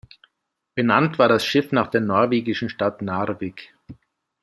Benannt war das Schiff nach der norwegischen Stadt Narvik.